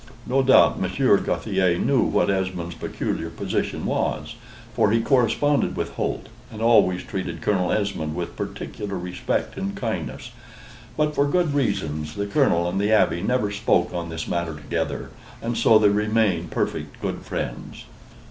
No doubt Monsieur Gauthier knew what Esmond's peculiar position was, for he corresponded with Holt, and always treated Colonel Esmond with particular respect and kindness; but for good reasons the Colonel and the Abbe never spoke on this matter together, and so they remained perfect good friends.